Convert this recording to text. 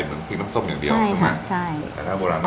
เหมือนผิกน้ำทรบอย่างเดียวใช่ใช่แต่ถ้าโบราณแล้ว